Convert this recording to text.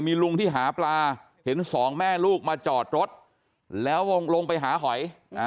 มีลุงที่หาปลาเห็นสองแม่ลูกมาจอดรถแล้วลงไปหาหอย